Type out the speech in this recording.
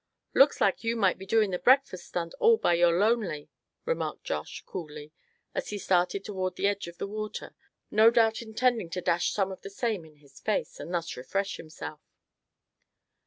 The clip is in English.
"Looks like you might be doing the breakfast stunt all by your lonely," remarked Josh, coolly, as he started toward the edge of the water, no doubt intending to dash some of the same in his face, and thus refresh himself.